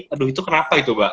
aduh itu kenapa itu pak